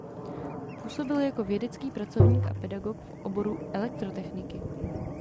Působil jako vědecký pracovník a pedagog v oboru elektrotechniky.